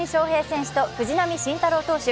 同学年の大谷翔平選手と藤浪晋太郎投手